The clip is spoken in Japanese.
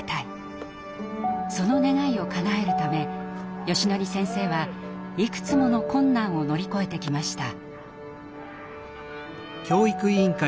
その願いをかなえるためよしのり先生はいくつもの困難を乗り越えてきました。